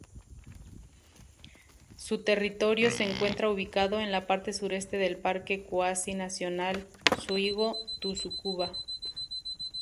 Su territorio se encuentra ubicado en la parte sureste del Parque Cuasi Nacional Suigō-Tsukuba.